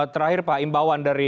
terakhir pak imbauan dari